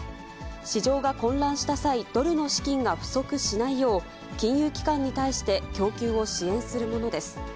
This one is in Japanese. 市場が混乱した際、ドルの資金が不足しないよう、金融機関に対して、供給を支援するものです。